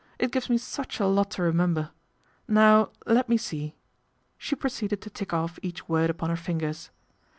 It gives me such a lot to remember. Now let me see." She proceeded to tick off each word upon her fingers.